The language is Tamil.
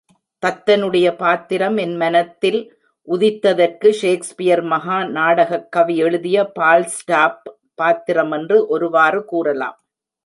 தத்தனுடைய பாத்திரம் என் மனத்தில் உதித்ததற்கு, ஷேக்ஸ்பியர் மகா நாடகக் கவி எழுதிய பால்ஸ்டாப் பாத்திரமென்று ஒருவாறு கூறலாம்.